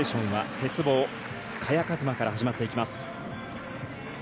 鉄棒、萱和磨から始まっていきます。